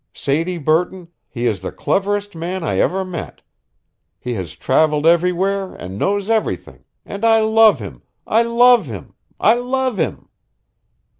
Sadie Burton, he is the cleverest man I ever met. He has travelled everywhere and knows everything, and I love him, I love him, I love him!"